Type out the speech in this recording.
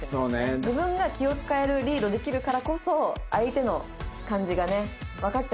自分が気を使えるリードできるからこそ相手の感じがねわかっちゃうんでしょうね。